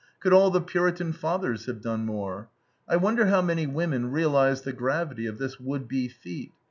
Could all the Puritan fathers have done more? I wonder how many women realize the gravity of this would be feat.